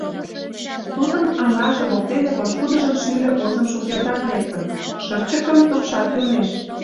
Тудын аҥаже воктенак пошкудыжын шӱльӧ озым шукертак лектын, шырчыкын тупшат йомеш.